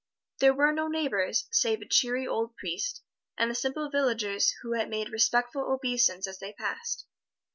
There were no neighbors, save a cheery old priest, and the simple villagers who made respectful obeisance as they passed.